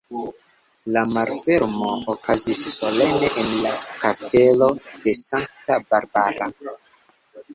La malfermo okazis solene en la Kastelo de Sankta Barbara.